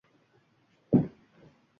Ma`naviy jihatdan esa